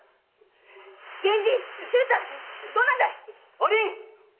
⁉お凛！